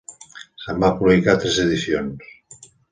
Se'n van publicar tres edicions.